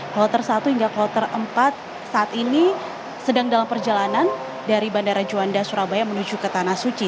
kloter satu hingga kloter empat saat ini sedang dalam perjalanan dari bandara juanda surabaya menuju ke tanah suci